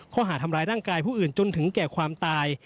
ข้อหาทำร้ายร่างกายผู้อื่นจนถึงแก่ความตาย